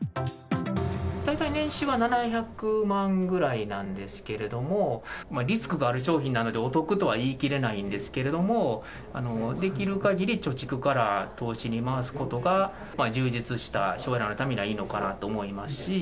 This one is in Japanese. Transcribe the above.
大体年収は７００万ぐらいなんですけれども、リスクがある商品なので、お得とは言い切れないんですけれども、できる限り貯蓄から投資に回すことが、充実した将来のためにはいいのかなと思いますし。